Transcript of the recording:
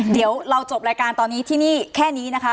เดี๋ยวเราจบรายการตอนนี้ที่นี่แค่นี้นะคะ